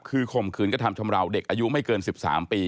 คือคมคืนก็ถัมศ์ชำระว่าเด็กอายุไม่เกิน๑๓ปี